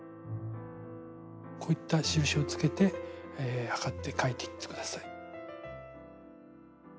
こういった印をつけて測って書いていって下さい。